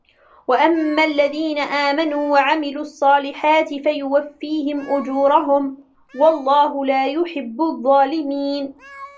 وَأَمَّا الَّذِينَ آمَنُوا وَعَمِلُوا الصَّالِحَاتِ فَيُوَفِّيهِمْ أُجُورَهُمْ وَاللَّهُ لَا يُحِبُّ الظَّالِمِينَ